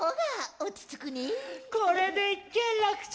これで一件落着！